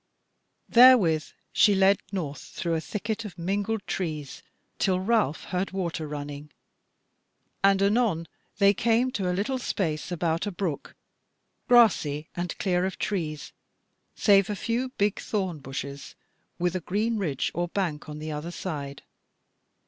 Therewith she led north through a thicket of mingled trees till Ralph heard water running, and anon they came to a little space about a brook, grassy and clear of trees save a few big thorn bushes, with a green ridge or bank on the other side.